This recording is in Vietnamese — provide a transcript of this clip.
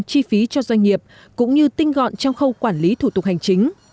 chi phí cho doanh nghiệp cũng như tinh gọn trong khâu quản lý thủ tục hành chính